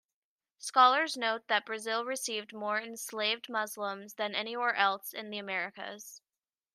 Scholars note that Brazil received more enslaved Muslims than anywhere else in the Americas.